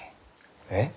えっ？